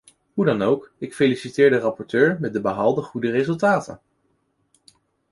Hoe dan ook, ik feliciteer de rapporteur met de behaalde goede resultaten.